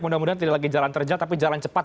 mudah mudahan tidak lagi jalan terjal tapi jalan cepat